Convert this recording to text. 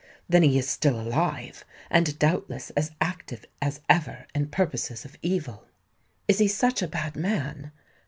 "Then he is still alive—and doubtless as active as ever in purposes of evil." "Is he such a bad man?"